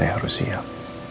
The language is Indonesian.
saya harus siap